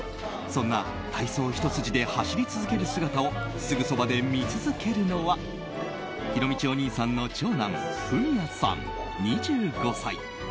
そんな体操ひと筋で走り続ける姿をすぐそばで見続けるのはひろみちお兄さんの長男文哉さん、２５歳。